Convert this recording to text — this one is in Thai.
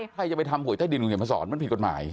ใครจะไปทำหวยใต้ดินคุณเขียนมาสอนมันผิดกฎหมาย